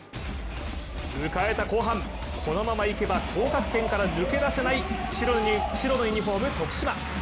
迎えた後半、このままいけば降格圏から抜け出せない白のユニフォーム、徳島。